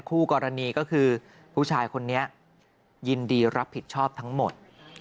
คู่กรณีก็คือผู้ชายคนนี้ยินดีรับผิดชอบทั้งหมด